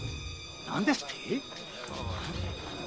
何ですって？